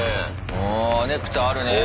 うんネクタイあるね。